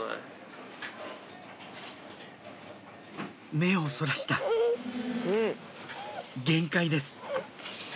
目をそらした限界です